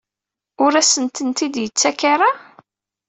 Ur asent-tent-id-yettak ara?